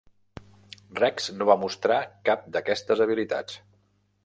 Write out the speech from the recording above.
Rex no va mostrar cap d'aquestes habilitats.